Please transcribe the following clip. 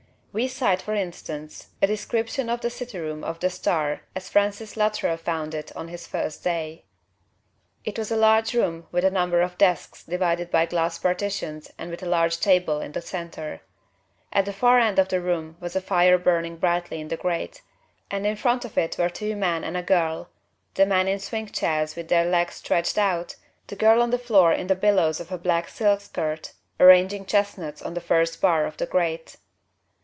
We cite, for instance, a description of the city room of The Star as Francis Luttrell found it on his first day: "It was a large room, with a number of desks divided by glass partitions and with a large table in the center. At the far end of the room was a fire burning brightly in the grate, and in front of it were two men and a girl, the men in swing chairs with their legs stretched out, the girl on the floor in the billows of a black silk skirt, arranging chestnuts on the first bar of the grate."